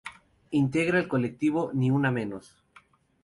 Integra el Colectivo Ni Una Menos.